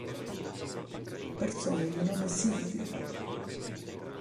Persone di nome Silvio